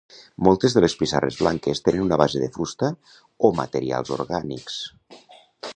Moltes de les pissarres blanques tenen una base de fusta o materials orgànics.